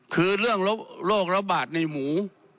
คือเรื่องโลกลบบาทในหมู